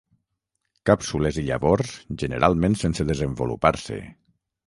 Càpsules i llavors generalment sense desenvolupar-se.